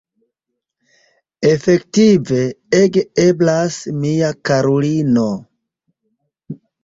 Efektive, ege eblas, mia karulino.